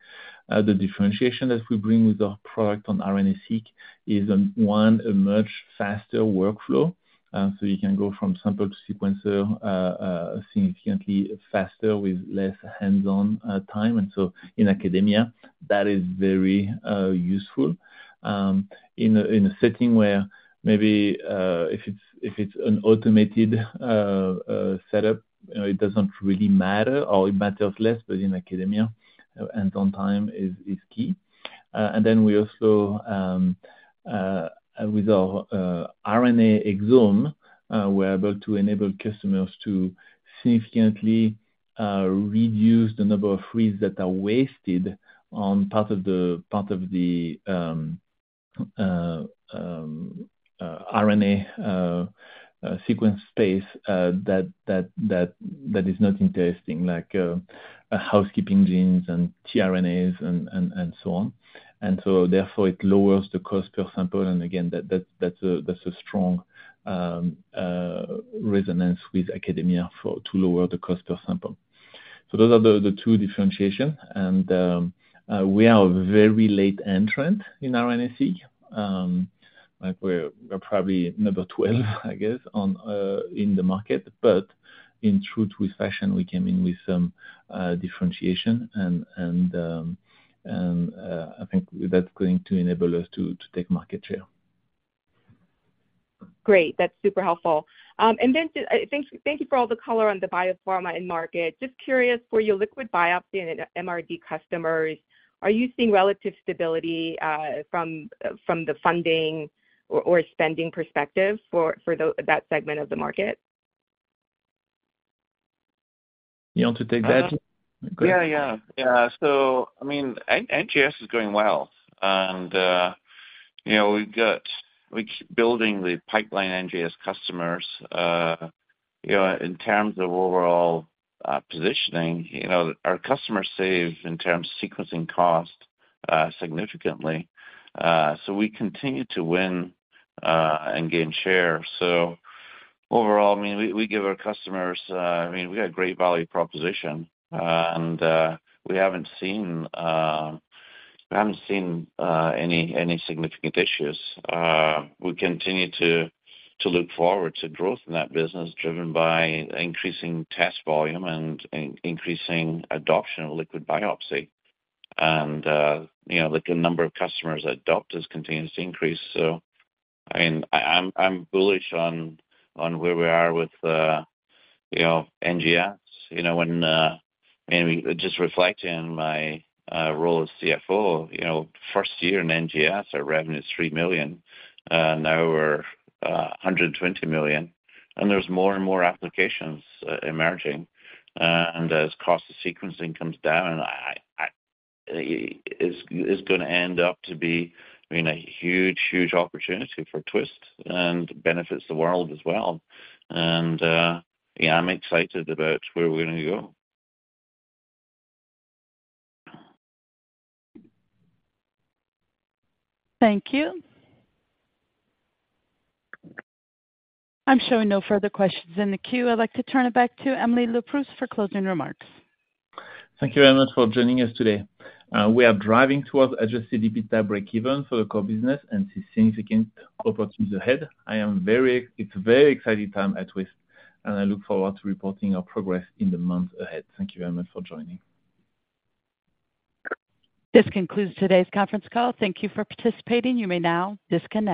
The differentiation that we bring with our product on RNA-Seq is, one, a much faster workflow. You can go from sample to sequencer, significantly faster with less hands-on time. In academia, that is very useful. In a setting where maybe, if it's, if it's an automated setup, you know, it doesn't really matter or it matters less, but in academia, hands-on time is key. Then we also, with our RNA Exome, we're able to enable customers to significantly reduce the number of reads that are wasted on part of the, part of the RNA sequence space that is not interesting, like housekeeping genes and tRNAs and so on. Therefore, it lowers the cost per sample. Again, that's a, that's a strong resonance with academia for, to lower the cost per sample. Those are the, the two differentiation. We are a very late entrant in RNA-Seq. Like, we're, we're probably number 12, I guess, on, in the market. In true Twist fashion, we came in with some differentiation and, and, I think that's going to enable us to, to take market share. Great, that's super helpful. Thank you for all the color on the biopharma end market. Just curious, for your liquid biopsy and MRD customers, are you seeing relative stability, from the funding or spending perspective for that segment of the market? You want to take that? Yeah, yeah. Yeah, I mean, NGS is going well. You know, we keep building the pipeline NGS customers. You know, in terms of overall positioning, you know, our customers save in terms of sequencing cost significantly. We continue to win and gain share. Overall, I mean, we, we give our customers. I mean, we've got a great value proposition, and we haven't seen, we haven't seen any, any significant issues. We continue to look forward to growth in that business, driven by increasing test volume and increasing adoption of liquid biopsy. You know, the number of customers that adopt this continues to increase. I mean, I'm bullish on, on where we are with, you know, NGS. You know, when, I mean, just reflecting on my role as CFO, you know, first year in NGS, our revenue is $3 million, and now we're $120 million, and there's more and more applications emerging. As cost of sequencing comes down, I, I, it is, it's gonna end up to be, I mean, a huge, huge opportunity for Twist and benefits the world as well. Yeah, I'm excited about where we're gonna go. Thank you. I'm showing no further questions in the queue. I'd like to turn it back to Emily Leproust for closing remarks. Thank you very much for joining us today. We are driving towards adjusted EBITDA breakeven for the core business and see significant opportunities ahead. It's a very exciting time at Twist, and I look forward to reporting our progress in the months ahead. Thank you very much for joining. This concludes today's conference call. Thank you for participating. You may now disconnect.